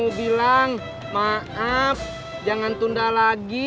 mau bilang maaf jangan tunda lagi